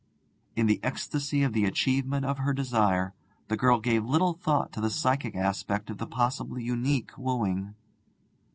In the ecstasy of the achievement of her desire the girl gave little thought to the psychic aspect of the possibly unique wooing.